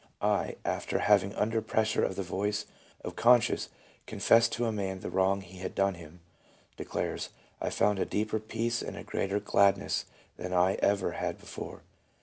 I., after having under pressure of the voice of conscience confessed to a man the wrong he had done him, de clares, " I found a deeper peace and a greater gladness than I ever had before.